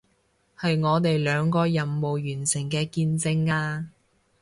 係我哋兩個任務完成嘅見證啊